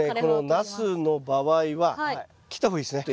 ナスの場合は切った方がいいですね